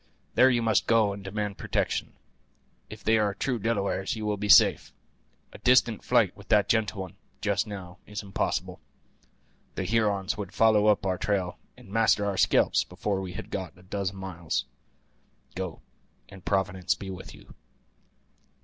There you must go and demand protection; if they are true Delawares you will be safe. A distant flight with that gentle one, just now, is impossible. The Hurons would follow up our trail, and master our scalps before we had got a dozen miles. Go, and Providence be with you."